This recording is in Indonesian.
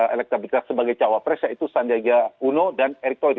elektabilitas sebagai cawapres yaitu sandiaga uno dan erick thohir